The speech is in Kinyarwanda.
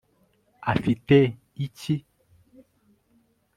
afite iki